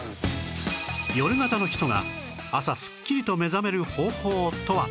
夜型の人が朝スッキリと目覚める方法とは？